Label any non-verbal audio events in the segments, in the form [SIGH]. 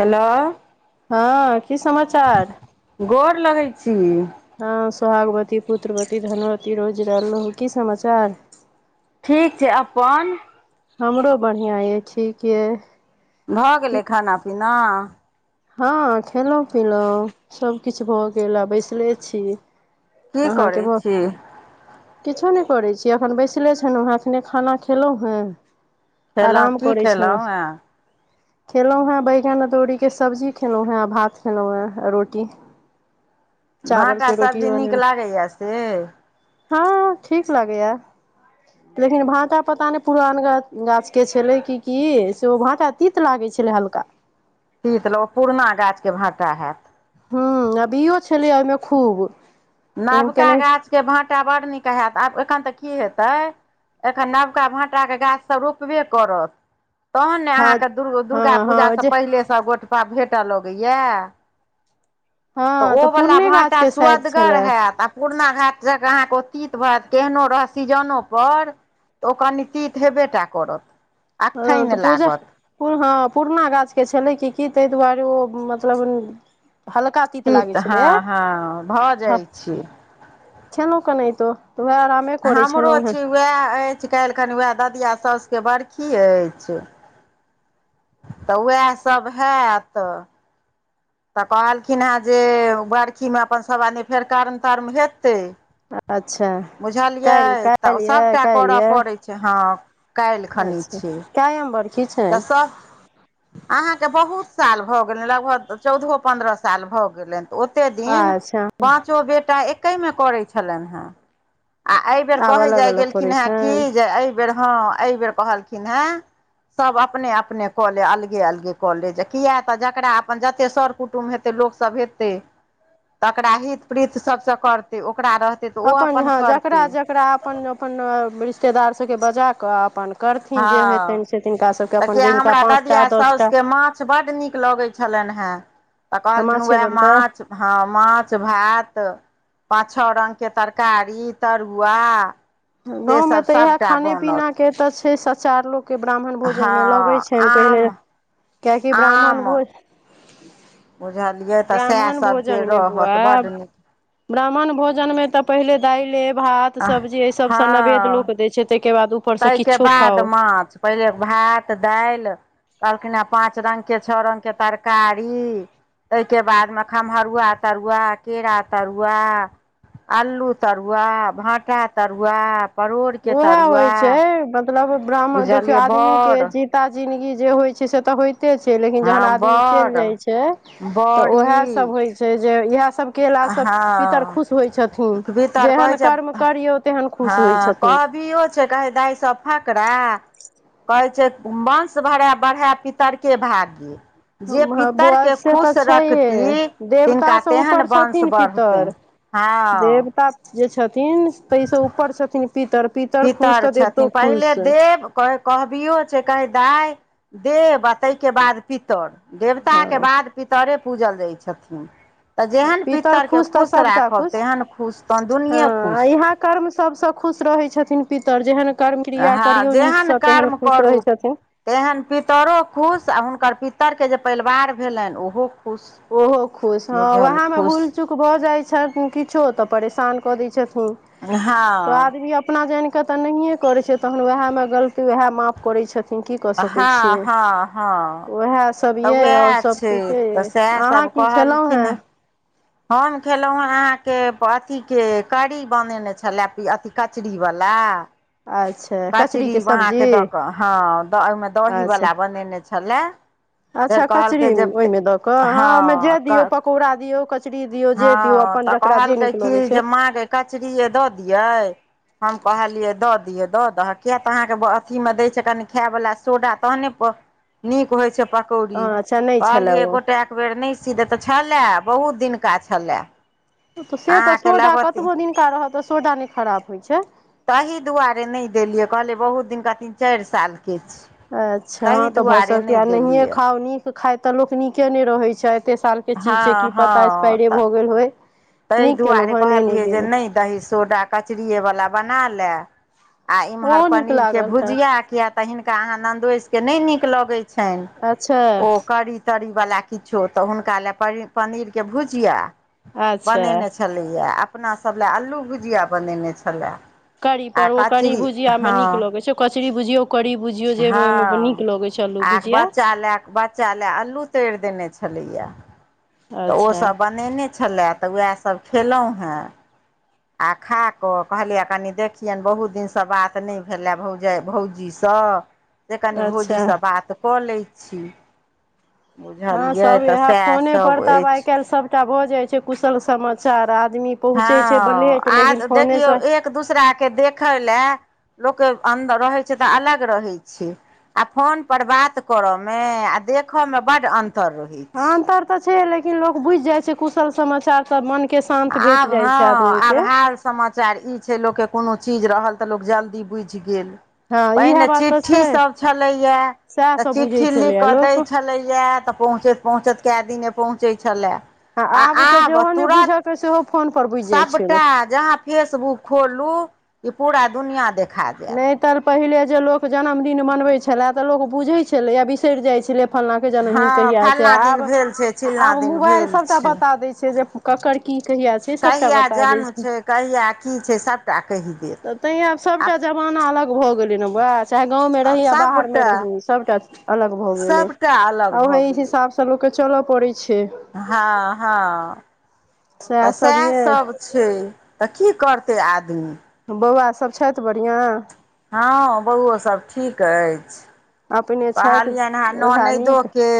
hello हँ की समाचार गोर लगै छी हँ सोहागवती पुत्रवती धनवती रहु जुरेहलहु की समाचार ठीक छै अपन हमरो बढ़िआँ अइ ठीक अइ भऽ गेलै खाना पीना हँ खेलहुँ पिलहुँ सभ किछु भऽ गेल आ बैसले छी की करै अहाँके भऽ छी किछो नहि करैत छी एखन बैसले छलहुँ हेँ एखने खाना खेलहुँ हेँ खेलहुँ आराम की करै छलौं खेलहुँ हेँ खेलहुँ हें बैगन अदौड़ीक के सब्जी खेलौ हें भात खेलहुं हें रोटी भाटा चावलके रोटी सब्जी नीक बनेलहुँ लागैए से हँ ठीक लागेयै लेकिन भाटा पता नहि पुरनगर गाछ के छलै की की से ओ भाँटा तीत लागै छलै हल्का तीत लो पुरना गाछ के भाटा हैत ह आबीयो छलै एहिमे खूब लेकिन नवका केना गाछके भाटा बड नीक हैत आब एखन तऽ की हेतै एखन नबका भाटाक के गाछ सब रोपबे करत तहन ने हँ अहाँके दु हँ दुर्गा हँ पूजासँ जे पहिलेसँ गोटपा भेटय लगैया हँ तऽ ओवला पुरने भाँटा गाछके शायद सुअदगर छलए हयत आ पुरना घाट जकां अहाँके ओ तित भेत केहनो रहत सीजनो पर तऽ ओ कनी तित हेबेटा करत ह अखठनि तऽ पूजा लागत हँ पुरना गाछ के छले की की ताहि दुआरे ओ मतलब हल्का तीत लागै तित हँ छलैए हँ भऽ जाइ छै खेलहु केनातो तऽ उएह आराम हमरो छी उएह अछि काल्हिखनि उएह ददिया साउसके बरखी अछि तऽ उएहसभ हेत तऽ कहलखिन हेँ जे बरखीमे अपन सभ आदमी फेर कार्म तार्म हेतै अच्छा बुझलियै काल्हि तऽ काल्हि यए सभटा काल्हि करऽ यए पड़ै छै हँ काल्हि खनी छियै क‌एम बरखी छै अहाँके बहुत साल भऽ गेलनि लगभग चौदहो पन्द्रह साल भऽ गेलनि ओतेक दिन अच्छा पाँचो बेटा एक मे करै छलनि हेँ आ ए बेर आब कहे अलग जाय अलग करै गेलखिन हे की छनि जे अ बेर हँ एहि बेर कहलखिन है सब अपने अपने कऽ ले अलगे अलगे अलगे क ले किया तऽ जकरा अपन जते सर कुटुम्ब हेतै लोक सब हेतै तकरा हित प्रीत सबसँ करतै ओकरा रहत अपन हँ जकरा जकरा अपन अपन रिश्तेदार सभके बजा कऽ अपन करथिन जे हँ हेतनि से तिनका सभके तऽ अपन किया जिनका हमरा पाँच ददिया टा दस टा साउसके माछ बड्ड नीक लगैत छै छलनि हेँ तऽ कहलखिन माछे उएह बनतै माछ हँ माछ भात पाच छओ रंगके तरकारी तरुआ गाँवमे सेसभ तऽ इएह सभटा खाने बनत पीना के तऽ छै सचार लोग के ब्राह्मण भोजन मे लगे हँ छनि आम पहिले कियाकि आम ब्राह्मण भोज बुझलियै तऽ सएह ब्राह्मण सभके भोजन मे रहत बौआ बड्ड ब्राह्मण भोजनमे तऽ पहिले दाले भात नीक सब्जी एहिसभ हँ दै छै तहिके बाद ओ ताहिके बाद माछ पहिले भात दालि कहलखिन हे पाँच रंग के छओ रंग के तरकारी ओहिके बादमे खमहरुआ तरुआ केरा तरुआ अल्लू तरुआ भाँटा तरुआ परोड़ के उएह तरुआ होइ छै मतलब ब्राह्मण देखियौ बुझलियै आदमी के बड़ जीता जन्दगी जे होइ छै से तऽ हो क छै लेकिन जहन हँ आदमी चलि बड़ जाइ छै तऽ ओएह सभ बड़ी होइ छै जे इएह सब केला से पितर हँ खुश होइ छथिन भीतर कहै जेहन छै कर्म करियऔ तेहन हँ खुश होइ छथिन कहबियो छै कहे दाय सब फकरा बंस भराए बढ़ै पितरके भागी जे ह बुआ पितरके से तऽ खुश छैहे रखती देवता तिनका से तेहन ऊपर छ वंश थिन बढ़तै पितर हँ जे जे छथिन ताहिस ऊपर छथिन पितर पितर खुश तऽ देवतो छथिन खुश पहिले छै देव कहबियो छै कहै दाइ देब आ ताहिके बाद पितर देवताके हँ बाद पितरे पूजल जाइ छथिन तऽ जेहन पितर पितरके तऽ खुश सभटा राखब खुश तेहन खुश तहन दुनियाँ हँ खुश इएह कर्म सबसँ खुश रहै छथिन पितर जेहन कर्म क्रिया हँ करियो जेहन नीकसँ तेहन कर्म खुश रहै करू छथिन तेहन पितरो खुश आर हुनकर पितरके जे परिवार भेलनि ओहो खुश ओहो खुश हँ बुझल ओह‌एमे खुश भूल चुक भय जय छथिन कुछो तऽ परेशान क दै छथिन हँ से तऽ नहियए करै छै तहन वएहमे गलती वएह माफ करै छथिन की कऽ सकैत हँ छियै हँ हँ उएह सब तऽ ये ओर उएह सब छै ठीके तऽ यय सएह अहाँ सभ की खेलहुं कहलखिन हें हेँ हम खेलहुँ हेँ अहाँके अथीके की कड़ी बनेने छलए अथी कचरीवला अच्छा कचरी कचरीके सब्जी अहाँके दऽ कऽ हँ ओहिमे अच्छा दहीवला बनेने छलए धरि अच्छा कचरी कहलकै जे ओहिमे दऽ कऽ हँ ओहिमे जे दियौ पकौड़ा दियौ कचरी दियौ जे दियौ हँ अपन तऽ ज कहलकै की जे माँके कचरी दऽ दियै हम कहलियै दऽ दिये दऽ त किया तऽ अहाँ के अथी में देय छै कनी खाय वला सोडा तहने नीक होय छै कौड़ी हँ अच्छा नहि छलए कहलियै ओ गोटा एक बेर नहि सी देे तऽ छलए बहुत दिनका छलए तऽ से तऽ अहाँके सोडा लगवती कतबो दिनका रहत तऽ सोडा नहि खराब होइत छै तहि दुआरे नहि देलियै कहलियै बहुत दिनके तीन चारि सालके छै अच्छा हँ तऽ भऽ सकै नहिए खाउ नीक खाय तऽ लोक नीके नहि रहैत छै एते साल के चीज हँ छै की हँ पता स्पाायरे तऽ भ गेल होय ताहि नीक केेलहु दुआरे भने नहि कहलियै जे देेलहुँ दही सोडा कचरीय बला बना लय आ इम्हर ओहो नीक पनीर के लागल तऽ भुजिया किया तऽ हिनका अहाँ नन्दोस के नहि नीक लगे छै छैन अच्छा ओ करी ती वला किछो तऽ हुनक हुनकाले पनीर के भुजिया अच्छा बनेने छै छलैया अपनासभ लए अल्लू भुजिया बनेने छलै कड़ी पर ओ करी भुजिया मेमे नीक लगै छै कचरी भुजियो करी बुझियो जे ओ नीक लगैत अल्लु बुझिया खेलाक बाद बच्चा लऽ अल्लू तैर देने छलैया तऽ अच्छा ओसभ बनेने छलए तऽ उएह सभ खेलहुॅँ हेँ आ खा कऽ कहलियै कनि देखियनि बहुत दिनसँ बात नहि भेले भौजाय भौजीसँ ह जे कनि अच्छा भौजीसँ बात कऽ लैत छी हँ बुझलियै सब तऽ इएह फोने सएहसभ पर तऽ आब आइ अछि काल्हि सभटा भऽ जाय छै कुशल समाचार आदमी पहुँचै छै हँ लेट लेकिन आ फोने देखियौ सँ एक दूसराके देखय लए लोकके अन्दर रहै छै तऽ अलग रहै छै आ फोन पर बात करे में आ देख में बड अंतर रहेय अंतर तऽ छै लेकिन लोग बुझि जाइ छै कुशल समाचार तब मन के शान्त भेट आब जाय छै हँ आदमी आब के हाल समाचार ई छै लोकके कोनो चीज रहल तऽ लोक जल्दी बुझि गेल हँ इएह पहिने बात तऽ छै चिटठ्ठीसभ छलैएया सएह तऽ सब बुझै चिट्ठी लिखि छलैए कऽ लोक दैत आ छलैए तऽ पहुँचैत पहुँचैत कए दिने पहुँचैत छलए आ आब तुरत कस [UNINTELLIGIBLE] सबटा जहाँ फेसबुक खोलू ई पूरा दुनिया देख नहि तऽ पहिले जे लोक जन्मदिन मनबैत छलए तऽ लोक बुझैत छलैए बिसर जाइत छलै फलना के जन्मदिन हँ कहिया छै फल्लाँ आब दिन भेल छै चिल्लाँ आब दिन मोबाइल भेल सभटा छै बता दै छै जे ककर की कहिया छै सबटा कहिया बता दै जन्म छै कहिया की छै सभटा कहि देत तैंया आब सबटा जमाना अलग भऽ गेलै ने बात चाहे गाँंव मे आ रही य बाहर में सभटा रही सबटा अलग भए गेले सभटा अलग आ भऽ ओहि गेलै हिसाब से लोककेँ चलऽ पड़ै छै हँ हँ तऽ सभ सएह सब यइ छै तऽ की करतै आदमी बौआ सब छथि बढ़िआँ हँ बौओ सभ ठीक अछि अपने छथि कहलियनि हन ओझा नीक ननैदोेके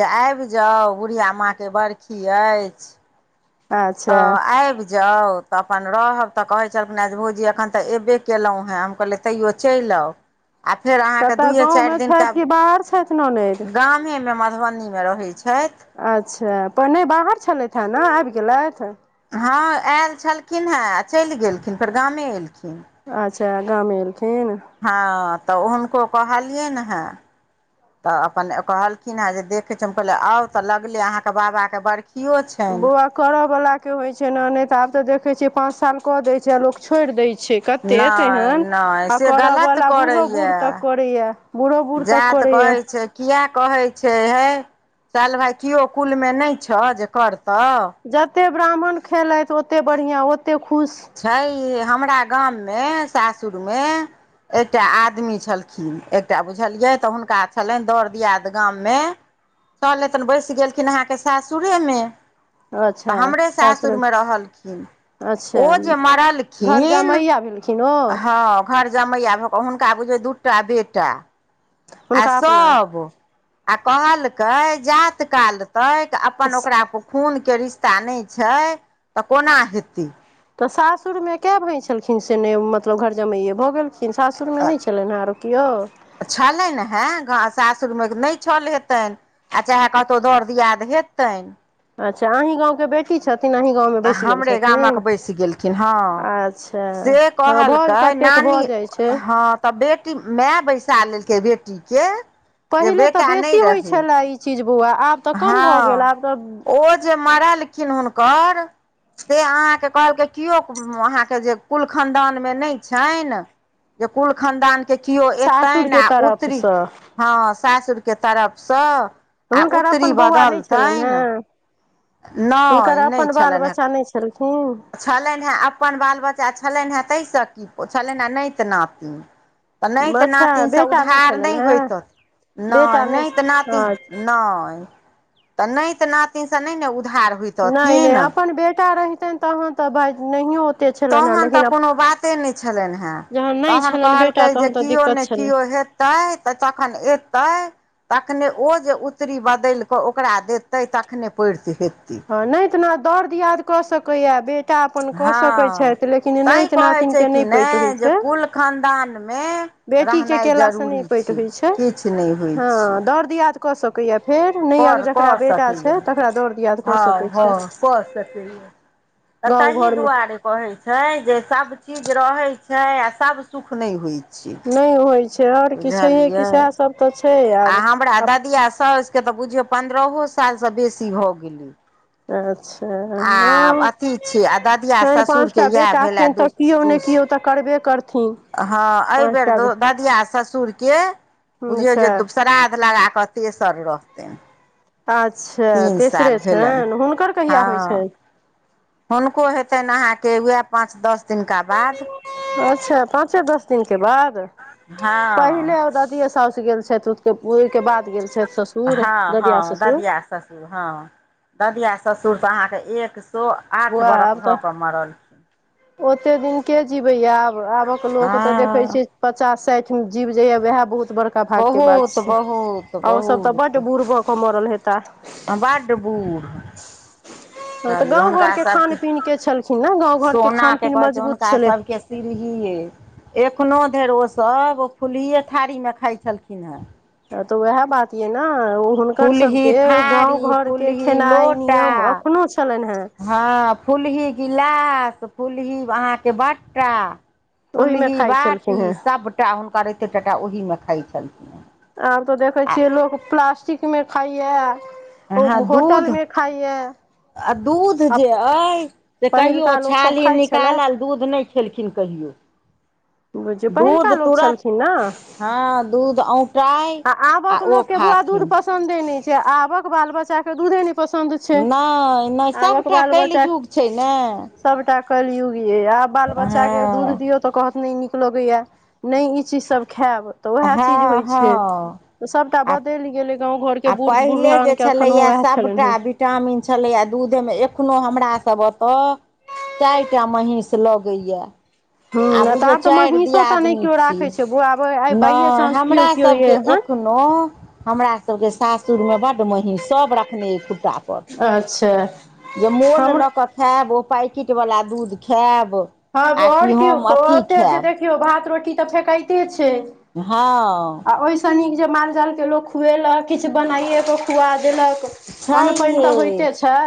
जे आबि जाउ बुढ़िआ माँके बरखी अछि अच्छा तऽ आबि जाउ तऽ अपन रहब तऽ कहै छलखिन जे भौजी एखन तऽ एयबे केलहुँ हँ हम कहलियै तयो चल आउ फेर अहाँ के कतय दू ये गाँवमे चार दिन छथि गाम कि बाहर छथि ननैद गमेमे मधुबनीमे रहैत छथि अच्छा पहिने बाहर छलैथ हेँ ने आबि गेलैथ हँ आयल छलखिन हँ आ चलि गेलखिन परं गामे एयलखिन अच्छा गाँमे एलखिन हँ तऽ हुनको कहलियै ने हे तऽ अपन कहलखिन हे जे देखे छियै कहले आउ तऽ लगले अहा के बाबा के बरखियो छै बौआ करऽवलाक के होइत छै ने नहि तऽ आब तऽ देखै छियै पाँच साल कऽ दै छै आ लोक छोड़ि दै छै कतेक नहि एहन नहि आ से गलत करवला बूढ़ो बूढ़ तक करैया बूढ़ो बुढ़ जा तऽ कहै छै किए कहै छै हे चल भाइ केओ कुलमे नहि छऽ जे करतऽ जते ब्राह्मण खेलैथ ओते बढ़िआं ओतेक खुश छै हे हमरा गाममे सासुरमे एकटा आदमी छलखिन एकटा बुझलियै तऽ हुनका छलेन दोर दियाद गाममे चलले तन बैसि गेलखिन अहाँके सासुरेमे तऽ हमरे सासुरमे रहलखिन अच्छा ओ जे घर मरलखिन जमैया भेलखिन ओ हँ घर जमैया भऽ कऽ हुनका बुझियौ दु टा बेटा आ हुनका अपना सब आ कहलकै जात कालतै अपन ओकरा खूनके रिश्ता नहि छै तऽ कोना हेतै तऽ सासुरमे कए भैं छलखिन से नहि मतलब घर जमाइए भऽ गेलखिन लेकिन सासुरमे नहि छलनि हेँ आरो केओ छलै ने हेँ ग सासुरमे नहि छल हेतन आ चाहे कतहु दर्द दियाद हेतइन अच्छ अही गाँंव के बेटी की छथिन अहीं गाँवमे आ बैस गेल हमरे छथिन गामक बैस गेलखिन हँ अच्छा से हँ भऽज कहलकै कतेक भऽ नानी जाइ छै हँ तऽ बेटी माय बैसा लेलकै बेटीके जे पहिले तऽ बेटा नहि बेसी होइत रहै छलए ई चीज बौआ आब तऽ कम भऽ गेल हँ आब तऽ ओ जे मरलखिन हुनकर से अहाँके कहल के ओ हॅं अहा के जे कुलखानदान मे नै छै कुलखानदान के केओ एतन सासुरके आ उतरी तरफसँ हँ सासुर के तरफसँ तऽ आ हुनकर उत्तरी अपन बौआ नहि छलेन है बदलतनि हुनकर नहि अपन बाल बच्चा नहि छलखिन छलेन है अपन बाल बच्चा छलेन हेँ ताहिसँ की छलेन है न त नाति तऽ नहि तऽ अच्छा नातिनसँ बेटा उधार नहि छलनि हेँ होइतत नहि न तऽ नातिन अच्छा न तऽ न त नातिन से नहि ने उधार हो नहि नहि अपन बेटा रहितनि तहन तऽ भाय नहियो ओते छलनि हेँ तहन तऽ लेकिन कोनो बाते नहि छलनि है जहन नहि तहन छलनि बेटा कहलकै जे तहन तऽ किओ दिक्कत नहि छलनि किओ हेत तै तऽ तखन एतै तखने ओ जे उतरी बदलि कऽ ओकरा देतै तखने पैठ हेतै हँ नहि तऽ दौड़ दियाद कऽ सकैया बेट टा अपन कऽ सकैत हँ छथि लेकिन तैं नाति कहै छै नातिनके कि नहि पैठ होइत जे छै कुल खानदानमे बेटी के रहनाइ केला से नै जरूरी पैठ होइ छै किछु नहि होइ छै हँ दौड़ दियाद कऽ सकैया फेर नहि कर जकरा कऽ बेटा सकैए छै तकरा दौड़ दियाद कऽ हँ सकैत ह छै कऽ सकै छै गाँव तहि घरमे दुआरे कहे छै जे सब चीज रहे छै आ सब सुख न होइ छै नहि होइ छै आओर कि छैहे बुझलियै कि सएह सब तऽ छै आ हमरा आब ददिया साउसके तऽ बुझियौ पन्द्रहो सालसँ बेसी भऽ गेली अच्छा हँ अथी छै आ ददिया छनि ससुरके पाँचटा इएह बेटा भेलए छनि तऽ दू कियो नहि दू कियो तऽ करबे करथिन हँ ऐ पाँच बेर टा दौ बे ददिया ससुर के बुझियौ अच्छा जे श्राद्ध लगा कऽ तेसर रहतनि अच्छा तीन तेसरे साल भेलनि छनि हुनकर कहिया होइ हँ छनि हुनको हेतेन अहाँके उएह पाँच दस दिनका बाद अच्छा पाँचे दस दिन के बाद पहिने हँ ददिेया साऊस गेल छथि ओहिके बाद गेल छथि ससुर हँ ददिया हँ द ससुर दिआ ससुर हँ ददिआ ससुर तऽ अहाँके एक सौआठ बौआ बरख आब भऽ तऽ कऽ मरलखिन ओते दिन के जिबैए आब आबक लोक तऽ देखै हँ छि पचास साठिमे जीब जाइए वएह बहुत बड़का भागके बात बहुत छै बहुत आ ओसभ तऽ बड्ड बहुत बूढ़ भऽ क मरल हेता बड्ड बूढ हँ तऽ गाँव घर के खान पीन के छलखिन ने गाँव घर के ना के कह छै हुनका सभके सीहीए एखनो धरि ओसभ फुल्लहिए थारीमे खाइत छलखिन हेँ तो वएह बात य ने ओ हुनकर फुलही सभके गाँव थारी घरके फुलही खेनाइ लोटा नियम एखनो छलनि हें हँ फुलही गिलास फुलही अहाँके बट्टा ओहिमे फुल्ही खाइ छलखिन बाटी हेँ सभटा हुनका राइते टाटा ओहीमे खाइ छलखिन ह आब तऽ देखै छियै लोक प्लास्टिकमे खाइया अह दूध आ दूध आ जे अय से कहियओ पहिलुका लोकसभ छाली खाइ छलए निकालल दूध नहि खेलखिन कहियो बुझियौ दूध पहिलुका लोक तुरत छलखिन ने हँ दूध औटाइ आ ओ खाथिन पसंन्दे न छै आबक बाल बच्चा के दूधे नहि पसन्द छै नहि नहि सभटा कलजुग छै ने सबटा कलयुग ये आब बाल बच्चा के दूध हँ दियौ तऽ कहत नहि नीक लगैया नहि ई चीज सब खायब तऽ वएह चीज हँ होइ छै हँ तऽ सबटा आ बदलि गेले गाँव घर के आ पहिले जे छलैया सबटा हेँ चामिन छलै एखनो हमरा सब ओतय चारि टा महिष लगै गैआ हूँ आ नहि तऽ बुझियो आब तऽ चारि महींसो तऽ नहि दियादनी केओ छियै राखै छै बौआ आइ बाइये नहि चानंस हमरा केओ केओ ये सबके हँ एखनो हमरा सभके सासुरमे बड्ड महीस सभ रखने खुट्टा पर अच्छा जे मोल हमर लऽ कऽ खायब ओ पैकेिट वाला दूध खायब हँ आ कि आओर हम कओ अथी ओते जे खायब देखियौ भात रोटी तऽ फेकाइते छै हँ आ ओहिसँ नीक जे मालजालके लोक खुएलक किछु बनाइए कऽ खुआ देलक छै अन्न पानि तऽ हे होइते छै